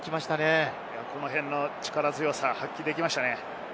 この辺の力強さ発揮できましたね。